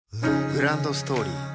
グランドストーリー